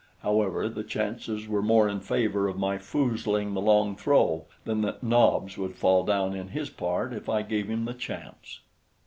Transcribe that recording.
However, the chances were more in favor of my foozling the long throw than that Nobs would fall down in his part if I gave him the chance.